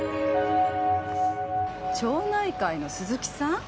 町内会の鈴木さん？